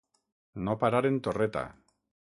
No parar en torreta.